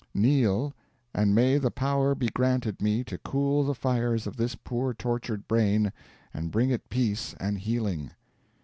Kneel; and may the power be granted me To cool the fires of this poor tortured brain, And bring it peace and healing.'